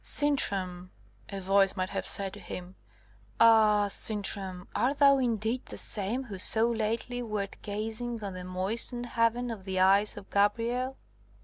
"Sintram," a voice might have said to him "ah, Sintram, art thou indeed the same who so lately wert gazing on the moistened heaven of the eyes of Gabrielle?"